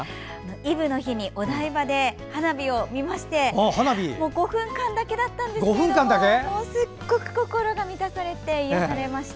イブの日にお台場で花火を見まして５分間だけだったんですけどすごく心が満たされて癒やされました。